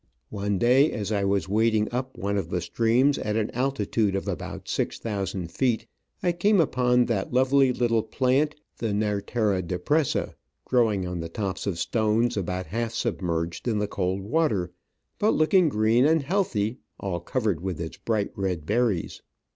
One day, as I was wading up one of the streams at an altitude of about six thousand feet, I came upon that lovely little plant, the Nerlera depressay growing on the tops of stones about half submerged in the cold water, but looking green and healthy, all covered with its bright red berries.